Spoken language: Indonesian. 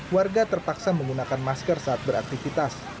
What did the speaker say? warga terpaksa menggunakan masker saat beraktivitas